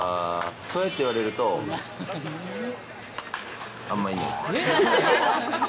そうやって言われるとあんまりいないです。